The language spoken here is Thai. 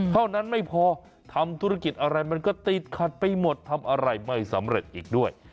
เท่านั้นไม่พอทำธุรกิจอะไรมันก็ติดขัดไปหมดทำอะไรไม่สำเร็จอีกด้วย